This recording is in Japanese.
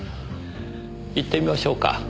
行ってみましょうか。